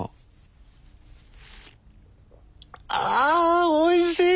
ああおいしい！